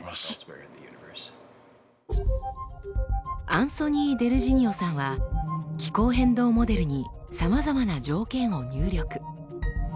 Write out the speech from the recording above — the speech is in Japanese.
アンソニー・デルジニオさんは気候変動モデルにさまざまな条件を入力。